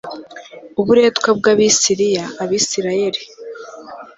buretwa bw abasiriya abisirayeli